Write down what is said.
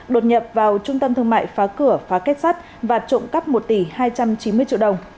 đột nhập vào trung tâm thương mại phá cửa phá kết sắt và trộm cắp một tỷ hai trăm chín mươi triệu đồng